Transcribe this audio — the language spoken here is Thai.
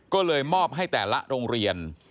ก็เลยมอบให้แต่ละโรงเรียน